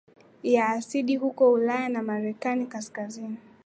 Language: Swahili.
ya asidi huko Ulaya na Amerika ya Kaskazin